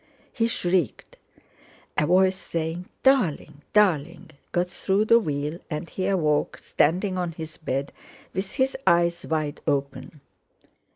He shrieked. A voice saying: "Darling, darling!" got through the wheel, and he awoke, standing on his bed, with his eyes wide open.